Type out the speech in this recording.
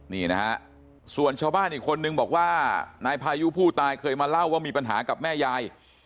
นี่นะฮะส่วนชาวบ้านอีกคนนึงบอกว่านายพายุผู้ตายเคยมาเล่าว่ามีปัญหากับแม่ยาย